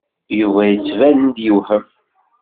Yuba yettban-d yewhem.